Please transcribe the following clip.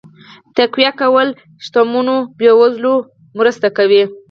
تقويه کول شتمنو بې وزلو مرسته کوي.